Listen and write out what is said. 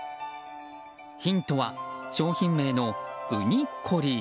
ヒントは、商品名のウニッコリー。